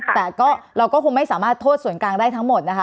แต่เราก็คงไม่สามารถโทษส่วนกลางได้ทั้งหมดนะคะ